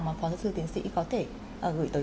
mà phó giáo sư tiến sĩ có thể gửi tới